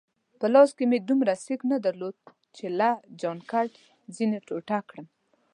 په لاس مې دومره سېک نه درلود چي له جانکټ ځینې ټوټه کړم.